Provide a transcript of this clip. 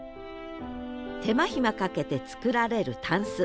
手間暇かけて作られるタンス。